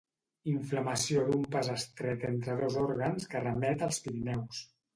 Inflamació d'un pas estret entre dos òrgans que remet als Pirineus.